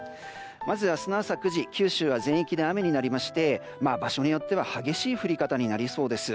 まず明日の朝９時、九州は全域で雨になりまして場所によっては激しい降り方になりそうです。